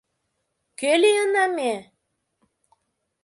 Кӧ лийына ме?